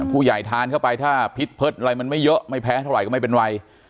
ทานเข้าไปถ้าพิษเพิษอะไรมันไม่เยอะไม่แพ้เท่าไหร่ก็ไม่เป็นไร